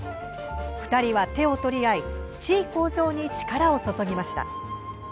２人は手を取り合い地位向上に力を注ぎました。